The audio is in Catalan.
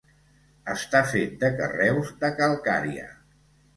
Està fet de carreus de calcària.